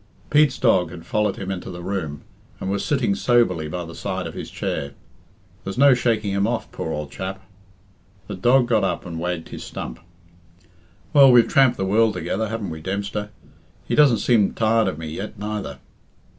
Pete's dog had followed him into the room, and was sitting soberly by the side of his chair. "There's no shaking him off, poor ould chap." The dog got up and wagged his stump. "Well, we've tramped the world together, haven't we, Dempster? He doesn't seem tired of me yet neither."